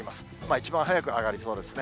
一番早く上がりそうですね。